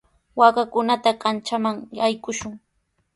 Waakakunata kanchanman qaykushun.